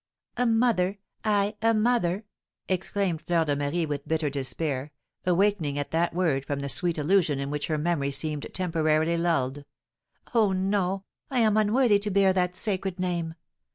"A mother! I a mother!" exclaimed Fleur de Marie, with bitter despair, awakening at that word from the sweet illusion in which her memory seemed temporarily lulled. "Oh, no! I am unworthy to bear that sacred name!